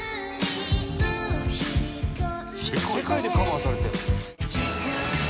「世界でカバーされてる」